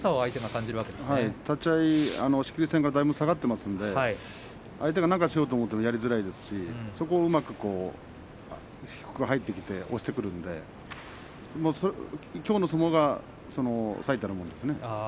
立ち合い、仕切り線からだいぶ下がっていますので相手が何かしようと思ってもやりづらいですしそこをうまく低く入ってきて押してくるのできょうの相撲が最たるものですね。